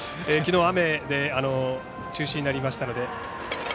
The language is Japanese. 昨日、雨で中止になりましたので。